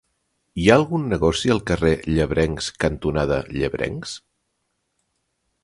Hi ha algun negoci al carrer Llebrencs cantonada Llebrencs?